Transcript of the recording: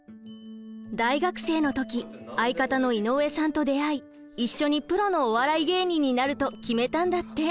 大学生の時相方の井上さんと出会い一緒にプロのお笑い芸人になると決めたんだって。